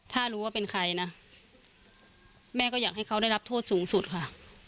ถ้ารู้ว่าเป็นใครนะแม่ก็อยากให้เขาได้รับโทษสูงสุดค่ะ